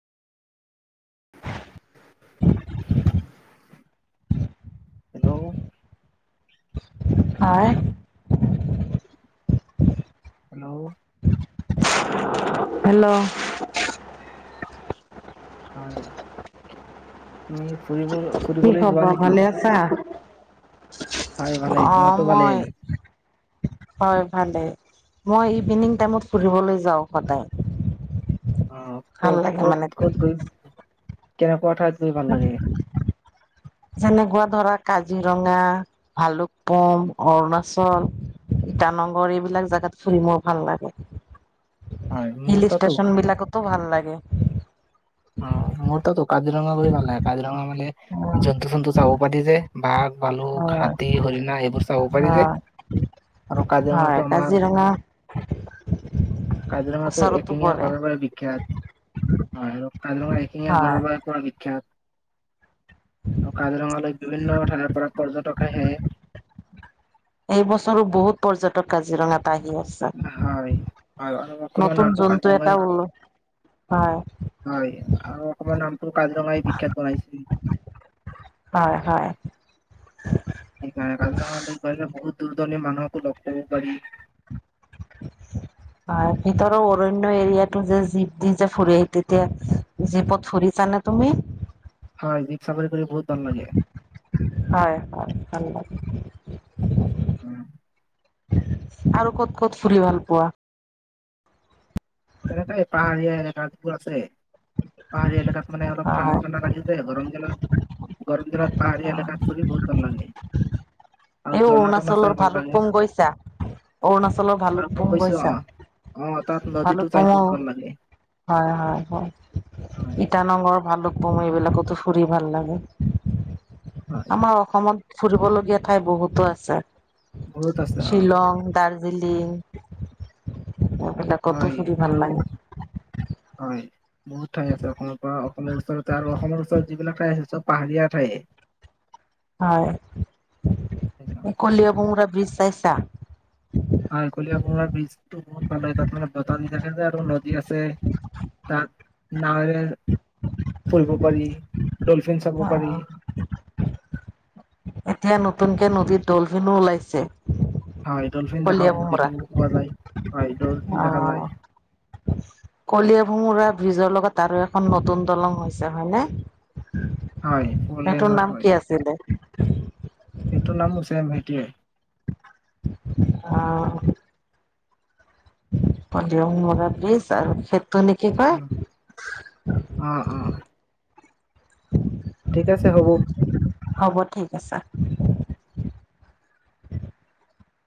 [inaudible] Hello হয় hello hello হয়, তুমি? ফুৰিবলৈ কি ফুৰিবলৈ যোৱা খবৰ নেকি? ভালে আছা? হয় ভালেই অ তোমাৰতো মই ভালেই হয় ভালেই মই ইভিনিং টাইমত ফুৰিবলৈ যাওঁ সদায় অ ভাল ক'ত লাগে ক'ত মানে। ক'ত গৈ কেনেকুৱা ঠাইত গৈ ভাল লাগে? যেনেকুৱা ধৰা কাজ কাজিৰঙা, ভালুকপুম, অৰুণাচল, ইটানগৰ ইবিলাক জাগাত ফুৰি মোৰ ভাল লাগে। হয় মোৰ হিল তাতো ষ্টেচন বিলাকতো ভাল লাগে। অ' মোৰ টো [unintelligible] কাজিৰঙা গৈ ভাল লাগে, কাজিৰঙা মানে জন্তু জন্তু চাব পাৰি যে [inaudible] বালুক হয়। হাতী হৰিণা এইবোৰ চাব পাৰি যে হয়, আৰু হয় কাজিৰঙাটো আমাৰ কাজিৰঙা কাজিৰঙাটো ওচৰতো একটিঙীয়া পৰে ঘৰৰ পৰা বিখ্যাত হয় [unintelligible] আৰু কাজিৰঙালৈ বিভিন্ন ঠাইৰ পৰা পৰ্যটক আহে এই বছৰো বহুত পৰ্যটক কাজিৰঙাত, আহি আছে। হয় হয় আৰু অকমান নতুন নামটো জন্তু এটা কাজিৰঙাই ওল হয় হয় আৰু অকমান নামটো কাজিৰঙাই বিখ্যাত বনাইছে হয় হয়। সেইকাৰণে কাজিৰঙালৈ গ'লে বহুত দূৰ দৰণি মানুহকো লগ পাব পাৰি। হয় ভিতৰৰ অৰণ্য এৰিয়াটো যে জীপ দি যে ফুৰে তেতিয়া জীপত ফুৰিছানে তুমি? [unintelligible] চাফাৰী কৰি বহুত ভাল লাগে হয় [inaudible] উম! আৰু ক'ত ক'ত ফুৰি ভাল পোৱা? তেনেকৈ পাহাৰীয়া এলেকাত পোৰা আছে, পাহাৰীয়া এলেকা মানে অলপ ঠাণ্ডা হয় ঠাণ্ডা লাগি যায় গৰম দিনত গৰম দিনত পাহাৰীয়া হয় এলেকাত ফুৰি বওত বাল লাগে আৰু এই ঝৰ্ণা তৰ্ণা চাই অৰুণাচলৰ ভাল লাগে ভালুকপুং গৈছা? অৰুণাচলৰ ভৈৰৱকুণ্ড ভালুকপুং গৈছো গৈছা অ অ তাত নদীটো ভালুক চাই বহুত বাল লাগে। হয় হয় হয় হয় ইটানগৰ ভালুক বম এইবিলাকতো ফুৰি ভাল লাগে, হয় আমাৰ অসমত ফুৰিবলগীয়া ঠাই বহুতো আছে। বহুত আছে অ শ্বিলং, দাৰ্জিলিং। এইবিলাকতো হয় ফুৰি ভাল আৰু লাগে। হয় বহুত ঠাই আছে অসমত বা অসমৰ ওচৰতে আৰু অসমৰ যিবিলাক ঠাই আছে চব পাহাৰীয়া ঠাইয়ে, হয়, কলীয়া বুমুৰা ব্ৰীজ পেইছা, আঃ কলীয়াভোমোৰা বীজ টো বহুত ভাল লাগে তাত মানে বতাহ দি থাকে যে আৰু নদী আছে তাত নাৱেৰে ফুৰিব পাৰি। ডলফিন চাব অ পাৰি এতিয়া নতুনকে নদীত ডলফিনো ওলাইছে। হয় ডলফিন দেখাম কলিয়া ভোমোৰা দেখিব পোৱা যায়। হয় ডলফিন দেখা অ' যায় কলীয়াভোমোৰা বীজৰ লগত তাৰো এখন নতুন দলং হৈছে হয়নে, হয় ফ'ৰ সেইটোৰ নাম কি আছিলে ত [inaudible] সেইটোৰ নাম হৈছে ভেটিয়ে, আঃ কলীয়াভোমোৰা বীজ আৰু খেত তুমি কি কয়? অ অ অ ঠিক আছে হ'ব হ'ব ঠিক আছে।